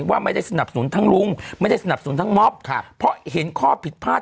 ว่าไม่ได้สนับสนุนทั้งลุงไม่ได้สนับสนุนทั้งม็อบเพราะเห็นข้อผิดพลาด